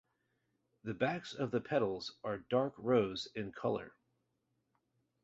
The backs of the petals are dark rose in color.